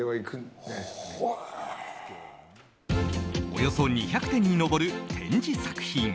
およそ２００点に上る展示作品。